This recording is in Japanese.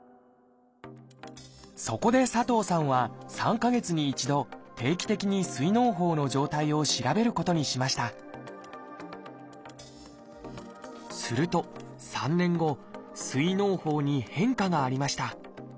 そこで佐藤さんは３か月に一度定期的に膵のう胞の状態を調べることにしましたすると３年後膵のう胞に変化がありました。